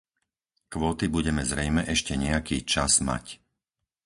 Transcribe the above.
Kvóty budeme zrejme ešte nejaký čas mať.